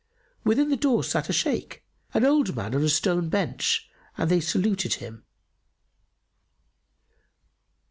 Within the door sat a Shaykh, an old man on a stone bench and they saluted him.